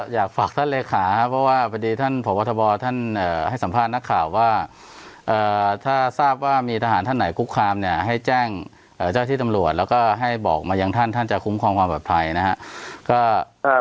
อยากฝากท่านเลขาเพราะว่าพอดีท่านพบทบท่านให้สัมภาษณ์นักข่าวว่าถ้าทราบว่ามีทหารท่านไหนคุกคามเนี่ยให้แจ้งเจ้าที่ตำรวจแล้วก็ให้บอกมายังท่านท่านจะคุ้มครองความปลอดภัยนะครับ